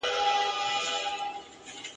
د جانان د کوڅې لوری مو قبله ده !.